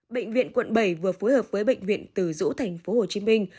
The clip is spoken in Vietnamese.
bệnh viện quận bảy vừa phối hợp với bệnh viện từ dũ thành phố hồ chí minh